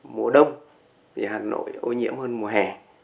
mùa đông thì hà nội ô nhiễm hơn mùa hè